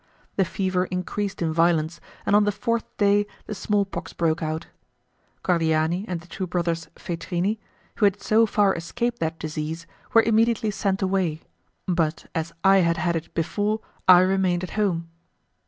The fever increased in violence, and on the fourth day the small pox broke out. Cordiani and the two brothers Feitrini, who had so far escaped that disease, were immediately sent away, but as I had had it before I remained at home.